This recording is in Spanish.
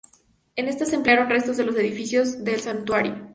En esta se emplearon restos de los edificios del santuario.